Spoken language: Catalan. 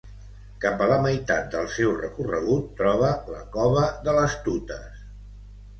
Cap a la meitat del seu recorregut troba la Cova de les Tutes.